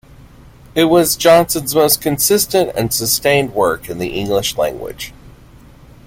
It was Johnson's most consistent and sustained work in the English language.